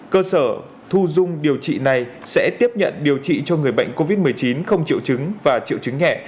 cơ sở thu dung điều trị này sẽ tiếp nhận điều trị cho người bệnh covid một mươi chín không triệu chứng và triệu chứng nhẹ